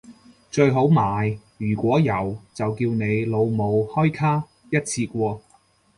最好買如果有就叫你老母開卡一次過